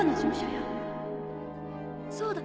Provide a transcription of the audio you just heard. よそうだ